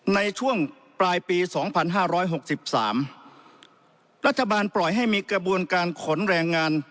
ในช่วงปลายปี๒๕๖๓รัฐบาลปล่อยให้มีกระบวนการขนแรงงาน